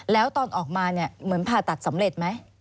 แล้วตอนออกมาเนี่ยเหมือนผ่าตัดสำเร็จไหม